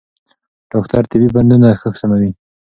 ډاکټر طبي متنونه ښه سموي.